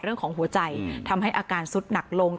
เรื่องของหัวใจทำให้อาการสุดหนักลง